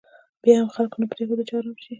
بیا هم خلکو نه پرېښوده چې ارام شي.